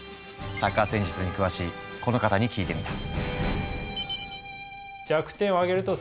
サッカー戦術に詳しいこの方に聞いてみた。